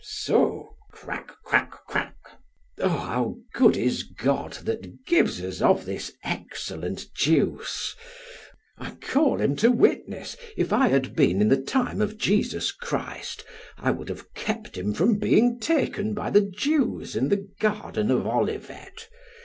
So! crack, crack, crack. O how good is God, that gives us of this excellent juice! I call him to witness, if I had been in the time of Jesus Christ, I would have kept him from being taken by the Jews in the garden of Olivet.